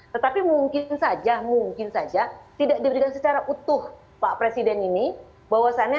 tetapi mungkin saja mungkin saja tidak diberikan secara utuh pak presiden ini bahwasannya